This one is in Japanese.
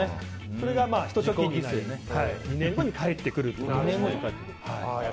それが２年後に返ってくると。